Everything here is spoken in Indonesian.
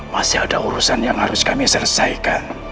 masih ada urusan yang harus kami selesaikan